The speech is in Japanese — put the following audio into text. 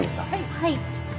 はい。